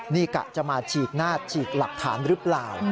นี่กะจะมาฉีกหน้าฉีกหลักฐานหรือเปล่า